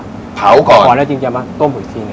เผาก่อนทำไมแล้วต้องเผาก่อนพอแล้วจริงจะมาต้มอีกทีหนึ่ง